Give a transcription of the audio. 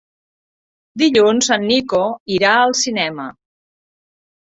Dilluns en Nico irà al cinema.